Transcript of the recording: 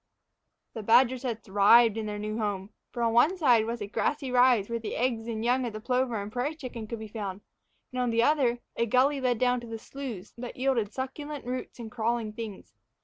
The badgers had thrived in their new home, for on one side was a grassy rise where the eggs and young of the plover and prairie chicken could be found; and, on the other, a gully led down to the sloughs that yielded succulent roots and crawling things.